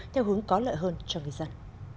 theo hướng có lợi hơn cho người dân